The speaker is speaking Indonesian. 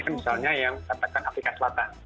kan misalnya yang katakan afrika selatan